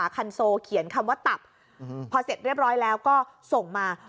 คันโซเขียนคำว่าตับพอเสร็จเรียบร้อยแล้วก็ส่งมา